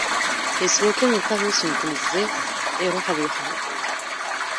Yeswa kan lqahwa-s n tnezzayt iruḥ ad yexdem.